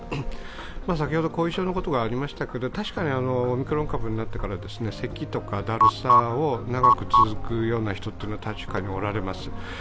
先ほど後遺症のことがありましたけれども、確かにオミクロン株になってからせきとか、だるさが長く続くような人は確かにおられます。